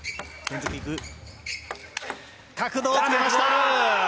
角度をつけました！